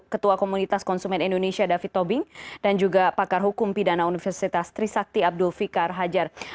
ketua komunitas konsumen indonesia david tobing dan juga pakar hukum pidana universitas trisakti abdul fikar hajar